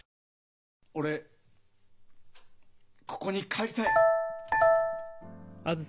俺ここに帰りたい！